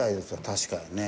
確かにね。